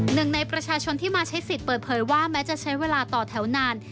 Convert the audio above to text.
หนึ่งในประชาชนที่มาใช้สิทธิ์เปิดเผยว่าแม้จะใช้เวลาต่อแถวนาน